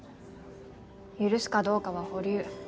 許すかどうかは保留。